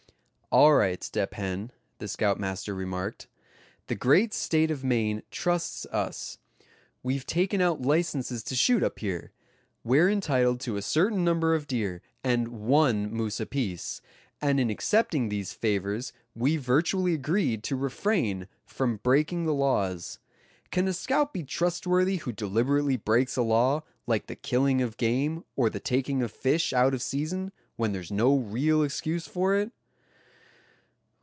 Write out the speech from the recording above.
"All right, Step Hen," the scoutmaster remarked, "the great State of Maine trusts us. We've taken out licenses to shoot, up here. We're entitled to a certain number of deer, and one moose apiece. And in accepting these favors we virtually agreed to refrain from breaking the laws. Can a scout be trustworthy who deliberately breaks a law, like the killing of game, or the taking of fish out of season, when there's no real excuse for it?"